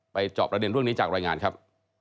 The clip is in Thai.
จอบประเด็นเรื่องนี้จากรายงานครับ